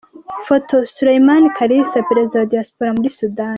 Photos: Sulaiman Kalisa , Perezida wa Diaspora muri Sudani.